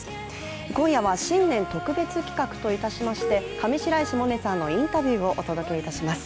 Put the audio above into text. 今夜は新年特別企画といたしまして上白石萌音さんのインタビューをお届けいたします。